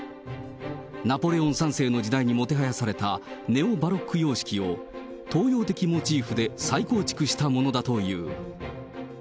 ナポレオン３世の時代にもてはやされたネオ・バロック様式を東洋的モチーフで再構築したものだという。